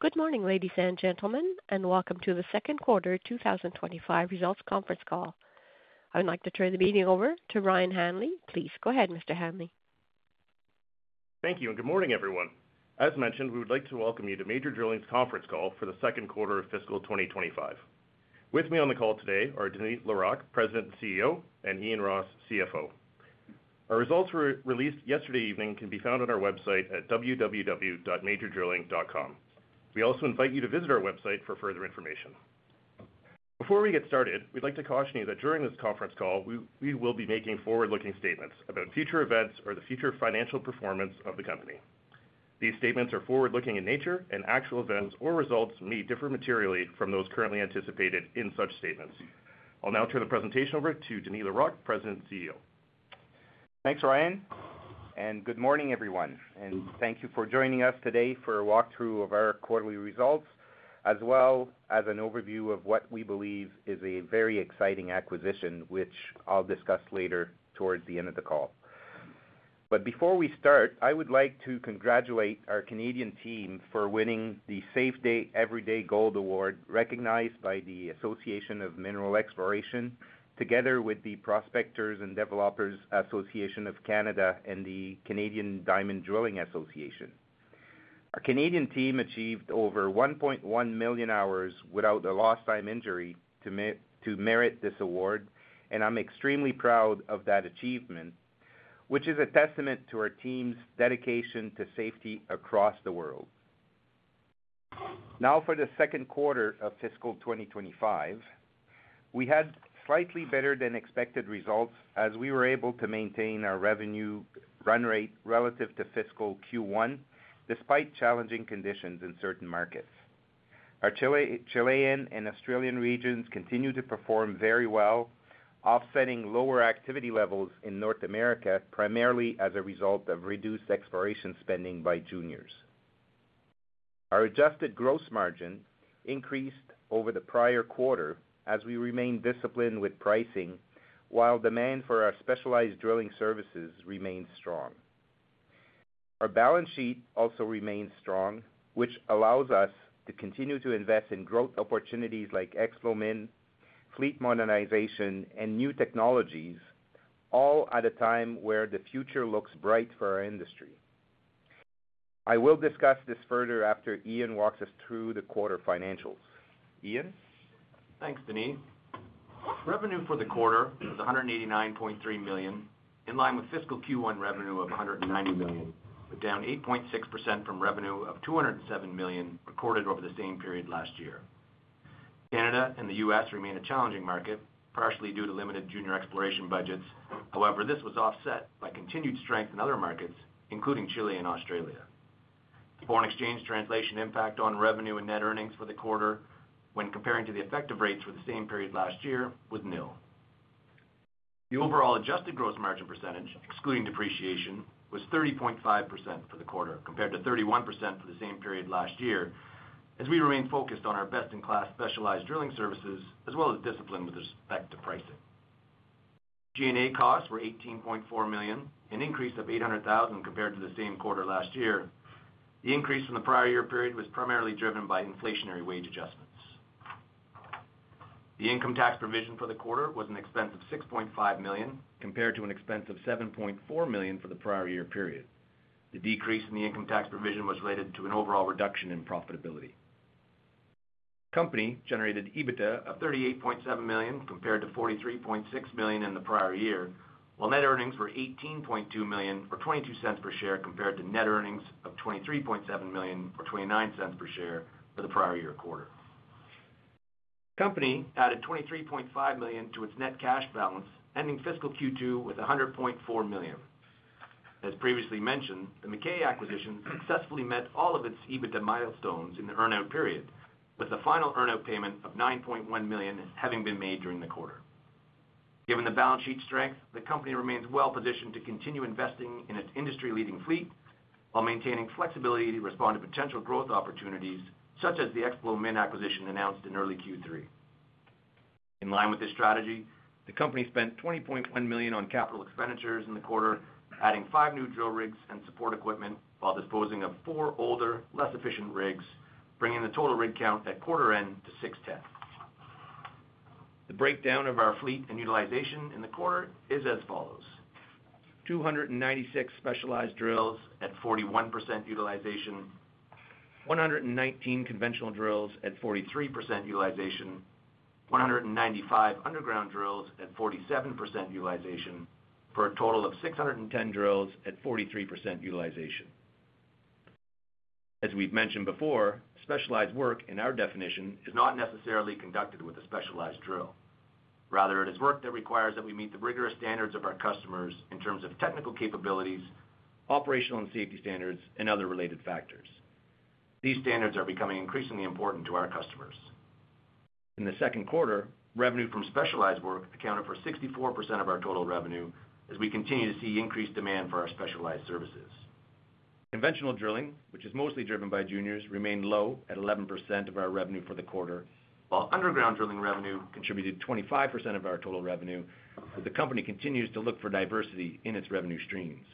Good morning, ladies and gentlemen, and welcome to the second quarter 2025 results conference call. I would like to turn the meeting over to Ryan Hanley. Please go ahead, Mr. Hanley. Thank you, and good morning, everyone. As mentioned, we would like to welcome you to Major Drilling's conference call for the second quarter of fiscal 2025. With me on the call today are Denis Larocque, President and CEO, and Ian Ross, CFO. Our results were released yesterday evening and can be found on our website at www.majordrilling.com. We also invite you to visit our website for further information. Before we get started, we'd like to caution you that during this conference call, we will be making forward-looking statements about future events or the future financial performance of the company. These statements are forward-looking in nature, and actual events or results may differ materially from those currently anticipated in such statements. I'll now turn the presentation over to Denis Larocque, President and CEO. Thanks, Ryan, and good morning, everyone, and thank you for joining us today for a walkthrough of our quarterly results, as well as an overview of what we believe is a very exciting acquisition, which I'll discuss later towards the end of the call, but before we start, I would like to congratulate our Canadian team for winning the Safe Day Everyday Gold Award, recognized by the Association for Mineral Exploration, together with the Prospectors and Developers Association of Canada and the Canadian Diamond Drilling Association. Our Canadian team achieved over 1.1 million hours without a lost-time injury to merit this award, and I'm extremely proud of that achievement, which is a testament to our team's dedication to safety across the world. Now, for the second quarter of fiscal 2025, we had slightly better-than-expected results as we were able to maintain our revenue run rate relative to fiscal Q1, despite challenging conditions in certain markets. Our Chilean and Australian regions continued to perform very well, offsetting lower activity levels in North America, primarily as a result of reduced exploration spending by juniors. Our adjusted gross margin increased over the prior quarter as we remained disciplined with pricing, while demand for our specialized drilling services remained strong. Our balance sheet also remained strong, which allows us to continue to invest in growth opportunities like Explomin, fleet modernization, and new technologies, all at a time where the future looks bright for our industry. I will discuss this further after Ian walks us through the quarter financials. Ian? Thanks, Denis. Revenue for the quarter was 189.3 million, in line with fiscal Q1 revenue of 190 million, but down 8.6% from revenue of 207 million recorded over the same period last year. Canada and the U.S. remain a challenging market, partially due to limited junior exploration budgets. However, this was offset by continued strength in other markets, including Chile and Australia. The foreign exchange translation impact on revenue and net earnings for the quarter, when comparing to the effective rates for the same period last year, was nil. The overall adjusted gross margin percentage, excluding depreciation, was 30.5% for the quarter, compared to 31% for the same period last year, as we remained focused on our best-in-class specialized drilling services, as well as discipline with respect to pricing. G&A costs were 18.4 million, an increase of 800,000 compared to the same quarter last year. The increase from the prior year period was primarily driven by inflationary wage adjustments. The income tax provision for the quarter was an expense of 6.5 million, compared to an expense of 7.4 million for the prior year period. The decrease in the income tax provision was related to an overall reduction in profitability. Company generated EBITDA of CAD 38.7 million, compared to CAD 43.6 million in the prior year, while net earnings were CAD 18.2 million, or 0.22 per share, compared to net earnings of CAD 23.7 million, or 0.29 per share, for the prior year quarter. Company added CAD 23.5 million to its net cash balance, ending fiscal Q2 with CAD 100.4 million. As previously mentioned, the McKay acquisition successfully met all of its EBITDA milestones in the earnout period, with the final earnout payment of 9.1 million having been made during the quarter. Given the balance sheet strength, the company remains well-positioned to continue investing in its industry-leading fleet, while maintaining flexibility to respond to potential growth opportunities, such as the Explomin acquisition announced in early Q3. In line with this strategy, the company spent 20.1 million on capital expenditures in the quarter, adding five new drill rigs and support equipment, while disposing of four older, less efficient rigs, bringing the total rig count at quarter-end to 610. The breakdown of our fleet and utilization in the quarter is as follows: 296 specialized drills at 41% utilization, 119 conventional drills at 43% utilization, 195 underground drills at 47% utilization, for a total of 610 drills at 43% utilization. As we've mentioned before, specialized work, in our definition, is not necessarily conducted with a specialized drill. Rather, it is work that requires that we meet the rigorous standards of our customers in terms of technical capabilities, operational and safety standards, and other related factors. These standards are becoming increasingly important to our customers. In the second quarter, revenue from specialized work accounted for 64% of our total revenue, as we continue to see increased demand for our specialized services. Conventional drilling, which is mostly driven by juniors, remained low at 11% of our revenue for the quarter, while underground drilling revenue contributed 25% of our total revenue, as the company continues to look for diversity in its revenue streams.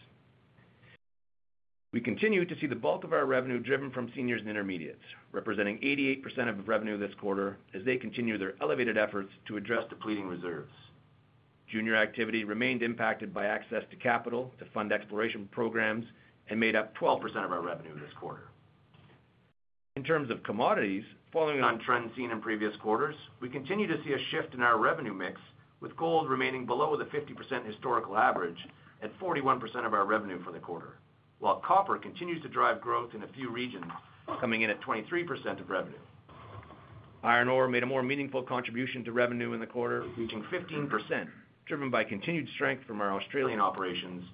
We continue to see the bulk of our revenue driven from seniors and intermediates, representing 88% of revenue this quarter, as they continue their elevated efforts to address depleting reserves. Junior activity remained impacted by access to capital to fund exploration programs and made up 12% of our revenue this quarter. In terms of commodities, following on trends seen in previous quarters, we continue to see a shift in our revenue mix, with gold remaining below the 50% historical average at 41% of our revenue for the quarter, while copper continues to drive growth in a few regions, coming in at 23% of revenue. Iron ore made a more meaningful contribution to revenue in the quarter, reaching 15%, driven by continued strength from our Australian operations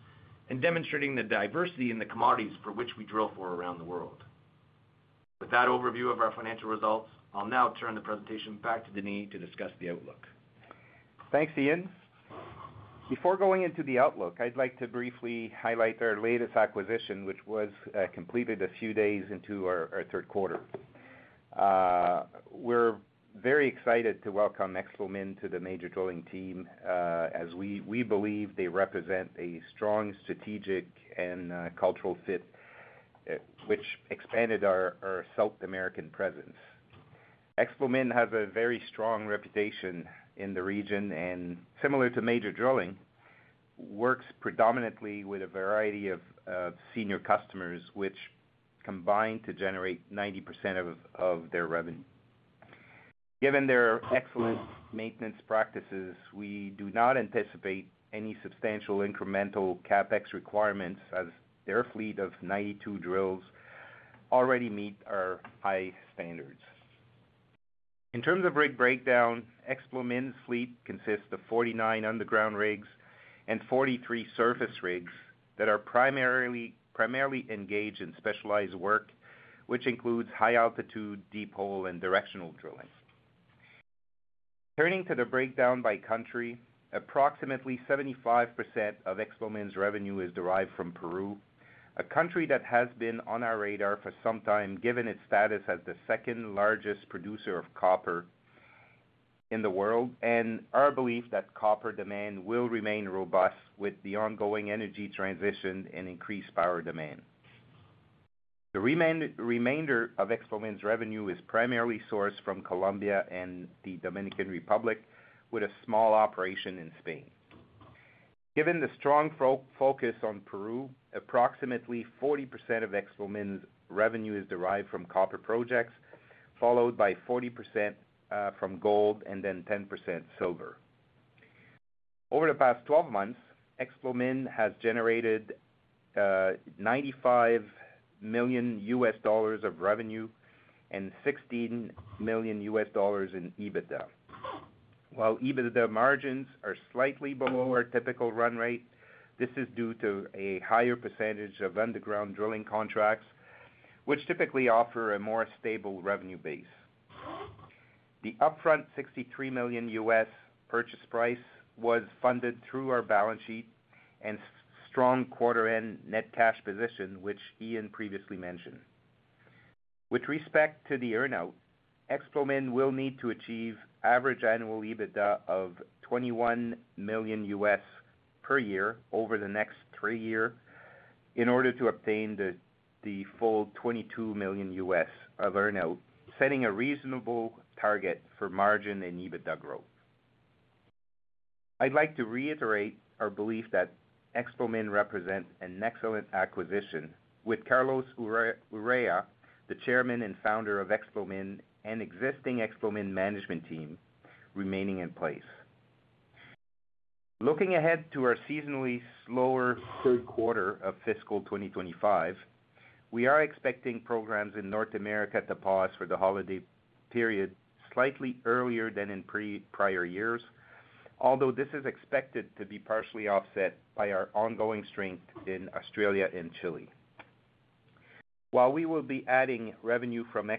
and demonstrating the diversity in the commodities for which we drill for around the world. With that overview of our financial results, I'll now turn the presentation back to Denis to discuss the outlook. Thanks, Ian. Before going into the outlook, I'd like to briefly highlight our latest acquisition, which was completed a few days into our third quarter. We're very excited to welcome Explomin to the Major Drilling team, as we believe they represent a strong strategic and cultural fit, which expanded our South American presence. Explomin has a very strong reputation in the region and, similar to Major Drilling, works predominantly with a variety of senior customers, which combine to generate 90% of their revenue. Given their excellent maintenance practices, we do not anticipate any substantial incremental CapEx requirements, as their fleet of 92 drills already meets our high standards. In terms of rig breakdown, Explomin's fleet consists of 49 underground rigs and 43 surface rigs that are primarily engaged in specialized work, which includes high-altitude, deep-hole, and directional drilling. Turning to the breakdown by country, approximately 75% of Explomin's revenue is derived from Peru, a country that has been on our radar for some time, given its status as the second-largest producer of copper in the world, and our belief that copper demand will remain robust with the ongoing energy transition and increased power demand. The remainder of Explomin's revenue is primarily sourced from Colombia and the Dominican Republic, with a small operation in Spain. Given the strong focus on Peru, approximately 40% of Explomin's revenue is derived from copper projects, followed by 40% from gold and then 10% silver. Over the past 12 months, Explomin has generated $95 million of revenue and $16 million in EBITDA. While EBITDA margins are slightly below our typical run rate, this is due to a higher percentage of underground drilling contracts, which typically offer a more stable revenue base. The upfront $63 million U.S. purchase price was funded through our balance sheet and strong quarter-end net cash position, which Ian previously mentioned. With respect to the earnout, Explomin will need to achieve average annual EBITDA of $21 million U.S. per year over the next three years in order to obtain the full $22 million U.S. of earnout, setting a reasonable target for margin and EBITDA growth. I'd like to reiterate our belief that Explomin represents an excellent acquisition, with Carlos Urrea, the chairman and founder of Explomin, and existing Explomin management team remaining in place. Looking ahead to our seasonally slower third quarter of fiscal 2025, we are expecting programs in North America to pause for the holiday period slightly earlier than in prior years, although this is expected to be partially offset by our ongoing strength in Australia and Chile. While we will be adding revenue from the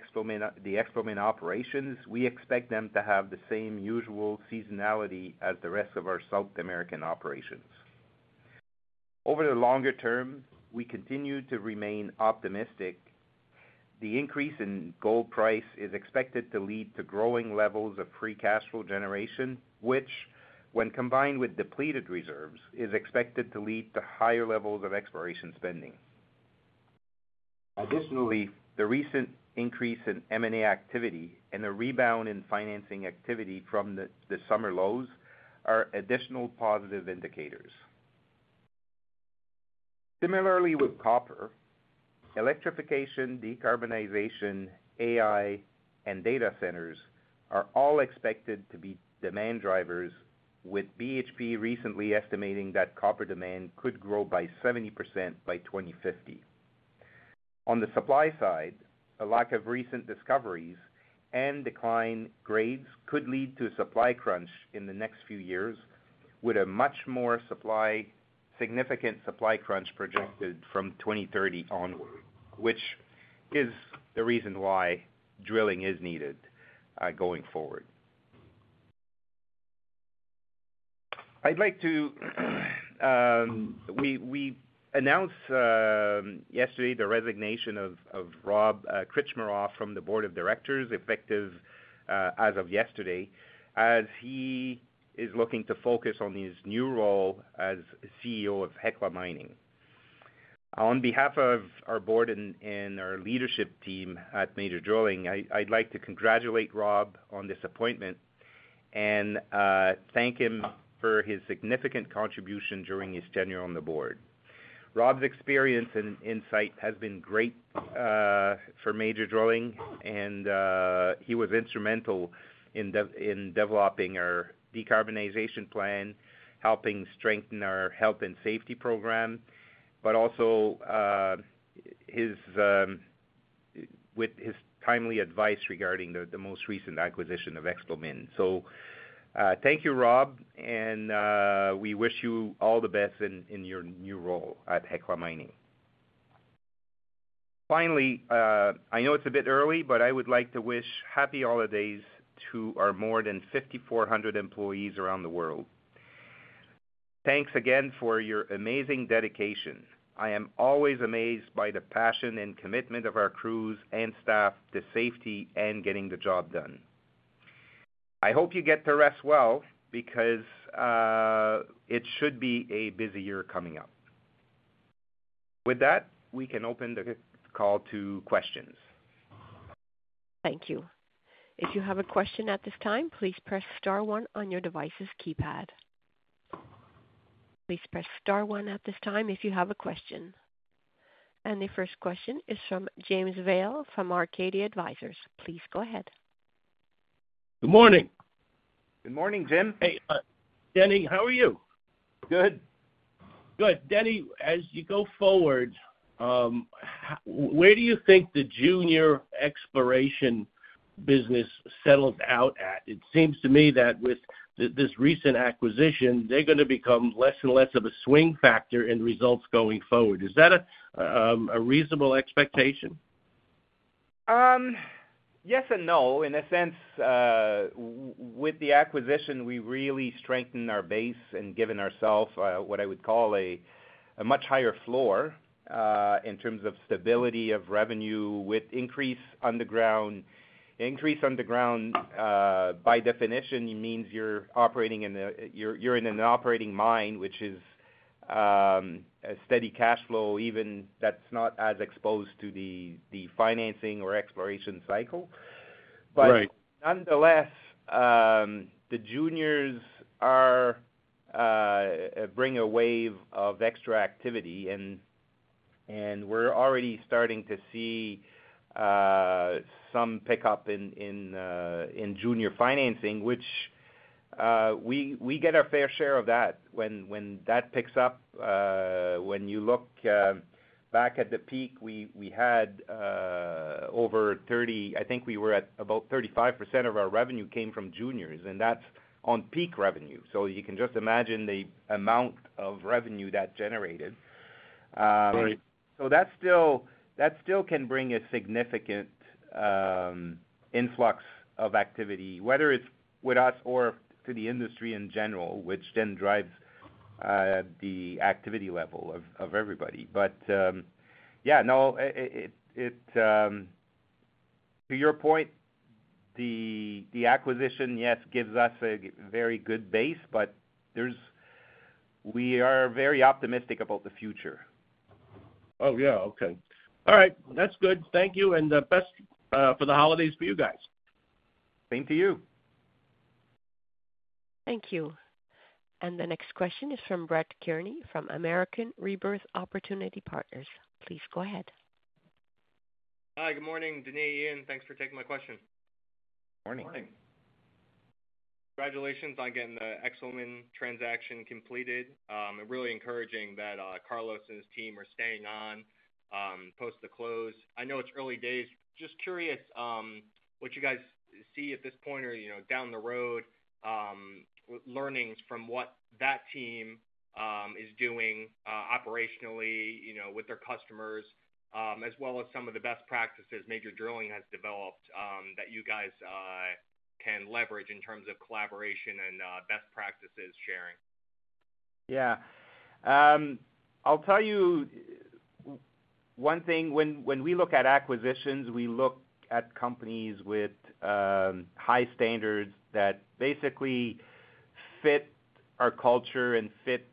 Explomin operations, we expect them to have the same usual seasonality as the rest of our South American operations. Over the longer term, we continue to remain optimistic. The increase in gold price is expected to lead to growing levels of free cash flow generation, which, when combined with depleted reserves, is expected to lead to higher levels of exploration spending. Additionally, the recent increase in M&A activity and the rebound in financing activity from the summer lows are additional positive indicators. Similarly, with copper, electrification, decarbonization, AI, and data centers are all expected to be demand drivers, with BHP recently estimating that copper demand could grow by 70% by 2050. On the supply side, a lack of recent discoveries and decline grades could lead to a supply crunch in the next few years, with a much more significant supply crunch projected from 2030 onward, which is the reason why drilling is needed going forward. We announced yesterday the resignation of Rob Krcmarov from the board of directors, effective as of yesterday, as he is looking to focus on his new role as CEO of Hecla Mining. On behalf of our board and our leadership team at Major Drilling, I'd like to congratulate Rob on this appointment and thank him for his significant contribution during his tenure on the board. Rob's experience and insight have been great for Major Drilling, and he was instrumental in developing our decarbonization plan, helping strengthen our health and safety program, but also with his timely advice regarding the most recent acquisition of Explomin. So thank you, Rob, and we wish you all the best in your new role at Hecla Mining. Finally, I know it's a bit early, but I would like to wish happy holidays to our more than 5,400 employees around the world. Thanks again for your amazing dedication. I am always amazed by the passion and commitment of our crews and staff to safety and getting the job done. I hope you get to rest well because it should be a busy year coming up. With that, we can open the call to questions. Thank you. If you have a question at this time, please press star one on your device's keypad. Please press star one at this time if you have a question. And the first question is from James Vail from Arcadia Advisors. Please go ahead. Good morning. Good morning, Jim. Hey, Denny, how are you? Good. Good. Denny, as you go forward, where do you think the junior exploration business settles out at? It seems to me that with this recent acquisition, they're going to become less and less of a swing factor in results going forward. Is that a reasonable expectation? Yes and no. In a sense, with the acquisition, we really strengthened our base and given ourselves what I would call a much higher floor in terms of stability of revenue with increased underground. Increased underground, by definition, means you're in an operating mine, which is a steady cash flow, even that's not as exposed to the financing or exploration cycle. But nonetheless, the juniors are bringing a wave of extra activity, and we're already starting to see some pickup in junior financing, which we get our fair share of that when that picks up. When you look back at the peak, we had over 30, I think we were at about 35% of our revenue came from juniors, and that's on peak revenue. So you can just imagine the amount of revenue that generated. So that still can bring a significant influx of activity, whether it's with us or to the industry in general, which then drives the activity level of everybody. But yeah, no, to your point, the acquisition, yes, gives us a very good base, but we are very optimistic about the future. Oh, yeah. Okay. All right. That's good. Thank you. And best for the holidays for you guys. Same to you. Thank you. And the next question is from Brett Kearney from American Rebirth Opportunity Partners. Please go ahead. Hi. Good morning, Denis, Ian. Thanks for taking my question. Morning. Morning. Congratulations on getting the Explomin transaction completed. I'm really encouraged that Carlos and his team are staying on post the close. I know it's early days. Just curious what you guys see at this point or down the road, learnings from what that team is doing operationally with their customers, as well as some of the best practices Major Drilling has developed that you guys can leverage in terms of collaboration and best practices sharing. Yeah. I'll tell you one thing. When we look at acquisitions, we look at companies with high standards that basically fit our culture and fit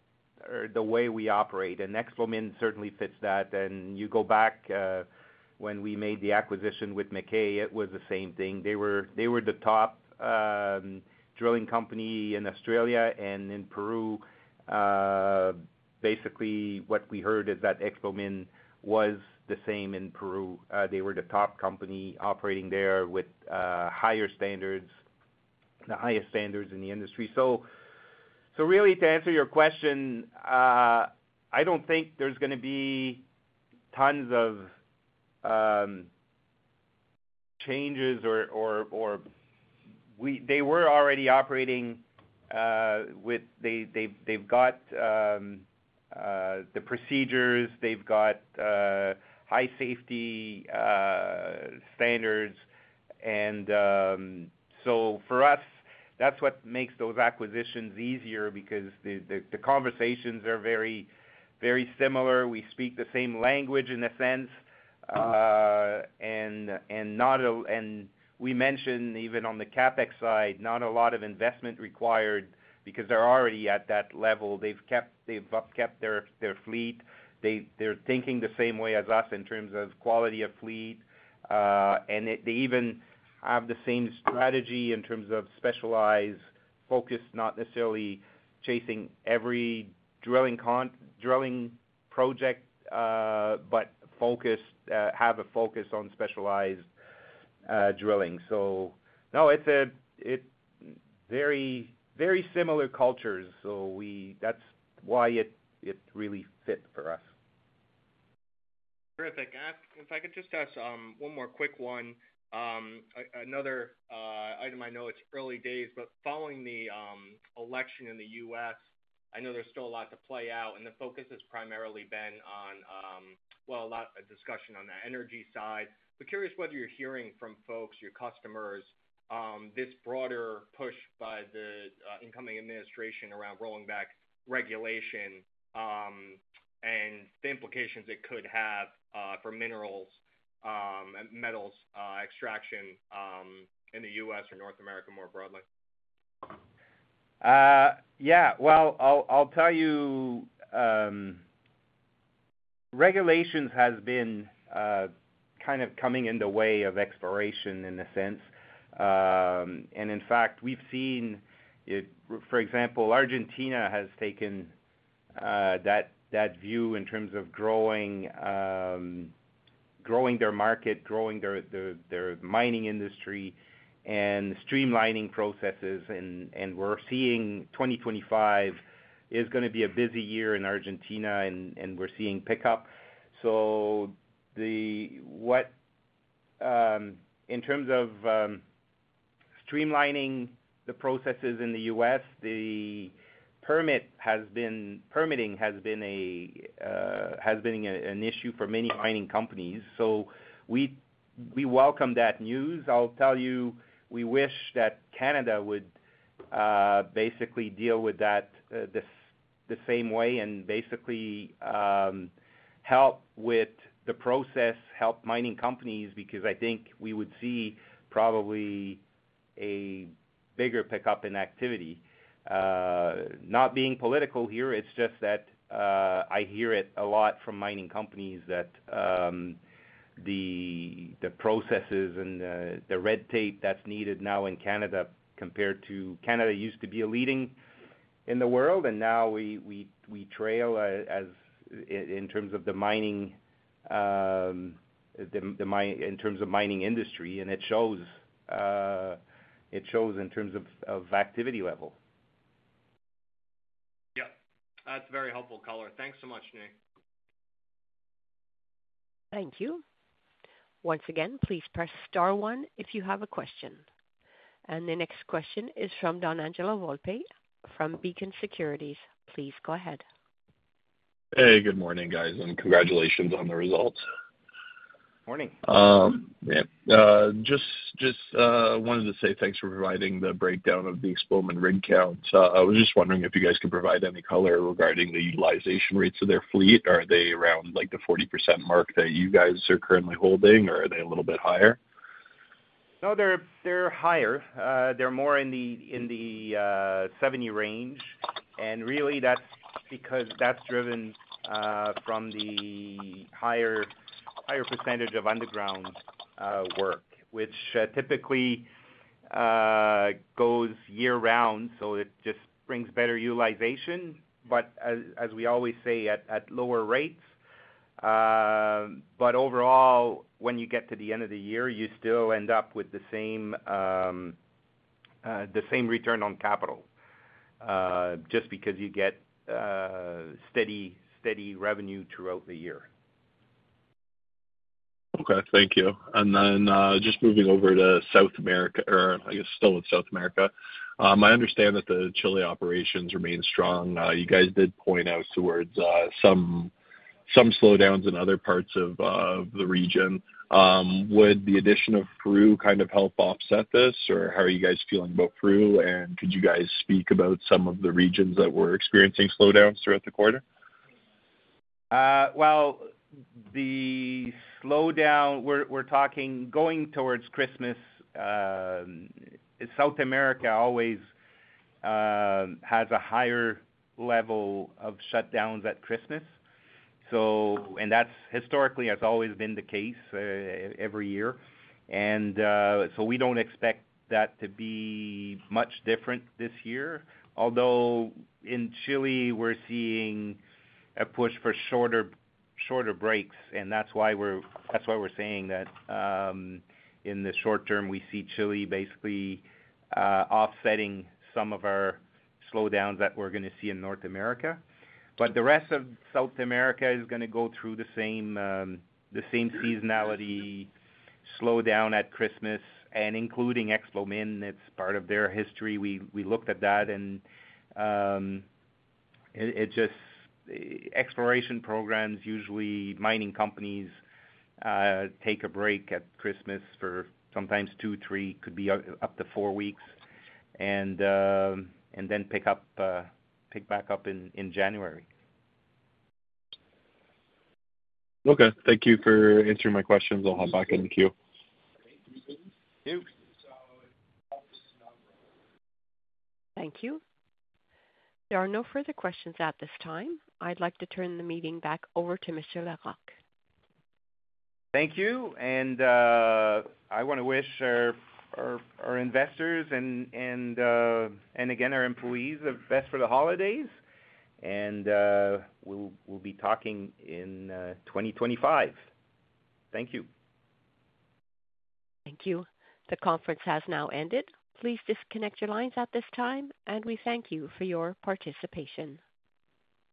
the way we operate. And Explomin certainly fits that. And you go back when we made the acquisition with McKay, it was the same thing. They were the top drilling company in Australia, and in Peru, basically what we heard is that Explomin was the same in Peru. They were the top company operating there with higher standards, the highest standards in the industry. So really, to answer your question, I don't think there's going to be tons of changes or they were already operating with. They've got the procedures, they've got high safety standards. And so for us, that's what makes those acquisitions easier because the conversations are very similar. We speak the same language in a sense. We mentioned even on the CapEx side, not a lot of investment required because they're already at that level. They've kept their fleet. They're thinking the same way as us in terms of quality of fleet. And they even have the same strategy in terms of specialized focus, not necessarily chasing every drilling project, but have a focus on specialized drilling. So no, it's very similar cultures. So that's why it really fit for us. Terrific. If I could just ask one more quick one. Another item, I know it's early days, but following the election in the U.S., I know there's still a lot to play out, and the focus has primarily been on, well, a lot of discussion on the energy side. But curious whether you're hearing from folks, your customers, this broader push by the incoming administration around rolling back regulation and the implications it could have for minerals and metals extraction in the U.S. or North America more broadly? Yeah. Well, I'll tell you, regulations have been kind of coming in the way of exploration in a sense, and in fact, we've seen, for example, Argentina has taken that view in terms of growing their market, growing their mining industry, and streamlining processes, and we're seeing 2025 is going to be a busy year in Argentina, and we're seeing pickup, so in terms of streamlining the processes in the U.S., the permitting has been an issue for many mining companies, so we welcome that news. I'll tell you, we wish that Canada would basically deal with that the same way and basically help with the process, help mining companies because I think we would see probably a bigger pickup in activity. Not being political here, it's just that I hear it a lot from mining companies that the processes and the red tape that's needed now in Canada compared to Canada used to be a leading in the world, and now we trail in terms of the mining industry, and it shows in terms of activity level. Yeah. That's very helpful, caller. Thanks so much, Nick. Thank you. Once again, please press star one if you have a question. And the next question is from Donangelo Volpe from Beacon Securities. Please go ahead. Hey, good morning, guys. Congratulations on the results. Morning. Yeah. Just wanted to say thanks for providing the breakdown of the Explomin rig counts. I was just wondering if you guys could provide any color regarding the utilization rates of their fleet. Are they around the 40% mark that you guys are currently holding, or are they a little bit higher? No, they're higher. They're more in the 70 range. And really, that's driven from the higher percentage of underground work, which typically goes year-round, so it just brings better utilization. But as we always say, at lower rates. But overall, when you get to the end of the year, you still end up with the same return on capital just because you get steady revenue throughout the year. Okay. Thank you. And then just moving over to South America, or I guess still with South America. I understand that the Chile operations remain strong. You guys did point out towards some slowdowns in other parts of the region. Would the addition of Peru kind of help offset this, or how are you guys feeling about Peru? And could you guys speak about some of the regions that were experiencing slowdowns throughout the quarter? The slowdown, we're talking going towards Christmas. South America always has a higher level of shutdowns at Christmas. That's historically, that's always been the case every year. So we don't expect that to be much different this year. Although in Chile, we're seeing a push for shorter breaks, and that's why we're saying that in the short term, we see Chile basically offsetting some of our slowdowns that we're going to see in North America. But the rest of South America is going to go through the same seasonality slowdown at Christmas. Including Explomin, it's part of their history. We looked at that. Exploration programs, usually mining companies take a break at Christmas for sometimes two, three, could be up to four weeks, and then pick back up in January. Okay. Thank you for answering my questions. I'll hop back in the queue. Thank you. Thank you. There are no further questions at this time. I'd like to turn the meeting back over to Mr. Larocque. Thank you. And I want to wish our investors and, again, our employees the best for the holidays. And we'll be talking in 2025. Thank you. Thank you. The conference has now ended. Please disconnect your lines at this time, and we thank you for your participation.